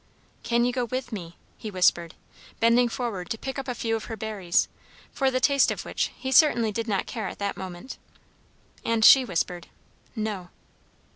"Can you go with me?" he whispered, bending forward to pick up a few of her berries, for the taste of which he certainly did not care at that moment. And she whispered, "No."